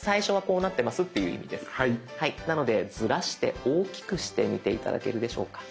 なのでズラして大きくしてみて頂けるでしょうか。